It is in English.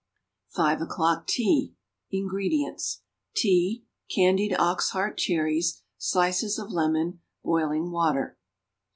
=Five o'clock Tea.= INGREDIENTS. Tea. Candied ox heart cherries. Slices of lemon. Boiling water.